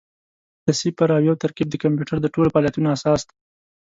د صفر او یو ترکیب د کمپیوټر د ټولو فعالیتونو اساس دی.